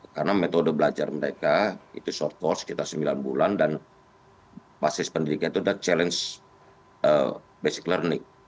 karena metode belajar mereka itu short call sekitar sembilan bulan dan basis pendidikan itu ada challenge basic learning